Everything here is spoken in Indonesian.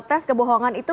tes kebohongan itu